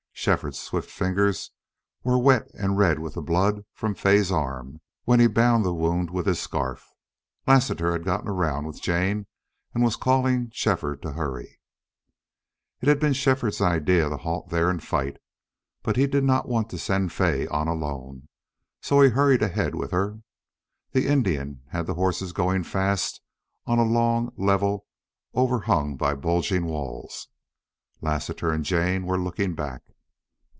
Shefford's swift fingers were wet and red with the blood from Fay's arm when he had bound the wound with his scarf. Lassiter had gotten around with Jane and was calling Shefford to hurry. It had been Shefford's idea to halt there and fight. But he did not want to send Fay on alone, so he hurried ahead with her. The Indian had the horses going fast on a long level, overhung by bulging wall. Lassiter and Jane were looking back.